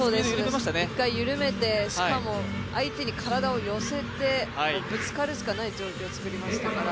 一回緩めて、しかも相手に体を寄せてぶつかるしかない状況を作りましたから。